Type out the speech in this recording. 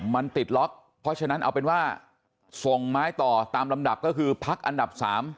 มันติดล็อกเพราะฉะนั้นเอาเป็นว่าส่งไม้ต่อตามลำดับก็คือพักอันดับ๓